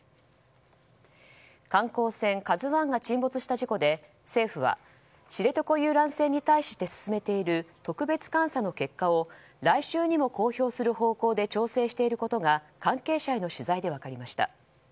観光船「ＫＡＺＵ１」が沈没した事故で政府は知床遊覧船に対して進めている特別監査の結果を来週にも公表する方向で調整していることが関係者への取材で分かりました。